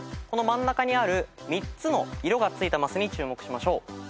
この真ん中にある３つの色がついたマスに注目しましょう。